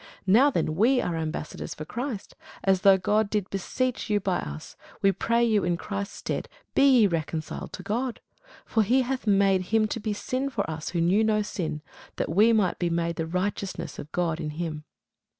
Now then we are ambassadors for Christ, as though God did beseech you by us: we pray you in Christ's stead, be ye reconciled to God. For he hath made him to be sin for us, who knew no sin; that we might be made the righteousness of God in him.